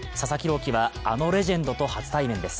希は、あのレジェンドと初対面です。